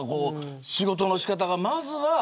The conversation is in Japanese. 仕事の仕方がまずは。